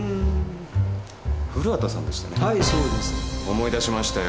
思い出しましたよ。